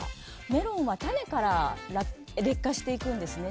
メロンは種から劣化していくんですね。